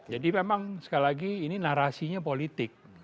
jadi memang sekali lagi ini narasinya politik